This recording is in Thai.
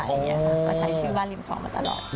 ก็ใช้ชื่อบ้านริมครองมาตลอด